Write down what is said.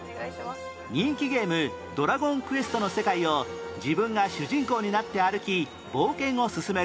人気ゲーム『ドラゴンクエスト』の世界を自分が主人公になって歩き冒険を進める